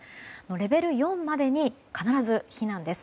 レベル４までに必ず避難です。